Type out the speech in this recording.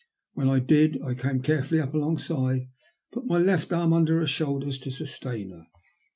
When I did I came carefully up along side, and put my left arm under her shoulders to sustain her.